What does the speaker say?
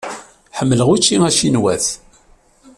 Ḥemmleɣ ucci acinwat.